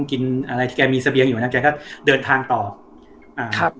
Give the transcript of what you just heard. กินอะไรที่แกมีเสบียงอยู่นะแกก็เดินทางต่ออ่าครับ